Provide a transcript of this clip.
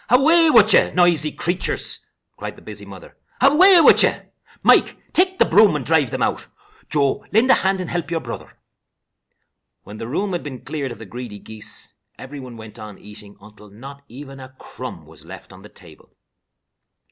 "Away with you, noisy creatures!" cried the busy mother. "Away with you! Mike, take the broom and drive them out. Joe, lend a hand and help your brother." When the room had been cleared of the greedy geese, every one went on eating, until not even a crumb was left on the table.